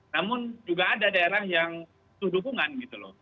namun juga ada daerah yang butuh dukungan gitu loh